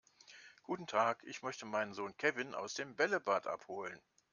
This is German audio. Guten Tag, ich möchte meinen Sohn Kevin aus dem Bällebad abholen.